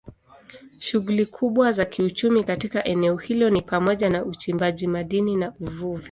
Shughuli kubwa za kiuchumi katika eneo hilo ni pamoja na uchimbaji madini na uvuvi.